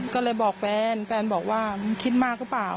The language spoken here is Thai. ก็เลยบอกแฟนแฟนบอกว่ามึงคิดมากหรือเปล่า